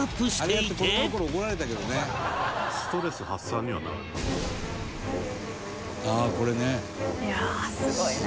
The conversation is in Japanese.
「いやあすごいな」